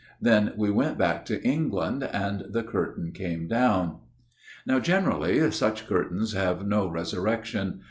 Then we went back to England ; and the curtain came down. " Now, generally, such curtains have no resur rection.